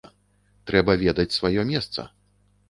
Трэба ведаць сваё месца.